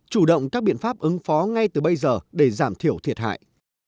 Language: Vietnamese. chủ động các biện pháp ứng phó ngay từ bây giờ để giảm thiểu thiệt hại